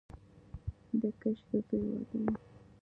د کشري زوی واده و.